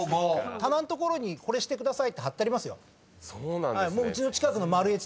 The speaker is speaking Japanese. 棚の所にこれしてくださいって張ってありますよ。